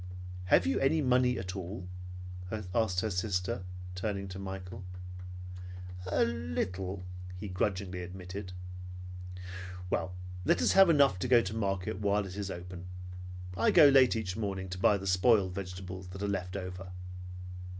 "Have you any money at all?" asked her sister, turning to Michael. "A little," he grudgingly admitted. "Well, let us have enough to go to the market while it is open. I go late each morning, and buy the spoiled vegetables that are left over."